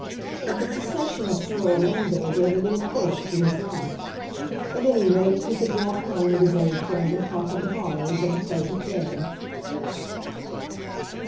But the secession of Sir Orlando gave a little fillip to his life. At any rate he could walk home with his old friend and talk of the horrors of the present day.